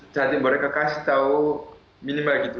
jadi mereka kasih tau minimal gitu